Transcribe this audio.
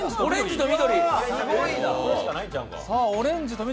オレンジと緑。